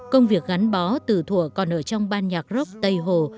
công việc gắn bó từ thủa còn ở trong ban nhạc rock tây hồ